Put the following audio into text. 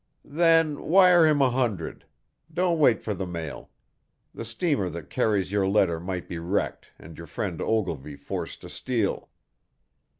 "Then wire him a hundred. Don't wait for the mail. The steamer that carries your letter might be wrecked and your friend Ogilvy forced to steal."